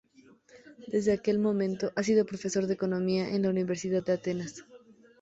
Desde aquel momento, ha sido profesor de Economía en la Universidad de Atenas.